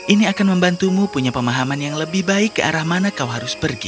ini akan membantumu punya pemahaman yang lebih baik ke arah mana kau harus pergi